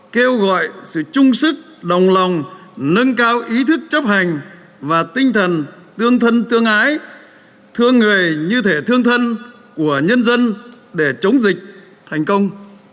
kêu gọi sự chung sức đồng lòng nâng cao ý thức chấp hành và tinh thần tương thân tương ái thương người như thể thương thân của nhân dân để chống dịch thành công